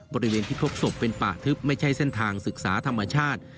บริเวณที่พบศพเป็นป่าทึบไม่ใช่เส้นทางศึกษาธรรมชาติ